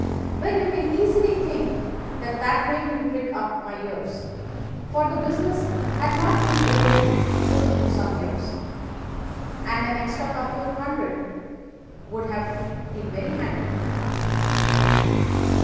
"Well, you can easily think that that made me prick up my ears, for the business has not been over good for some years, and an extra couple of hundred would have been very handy.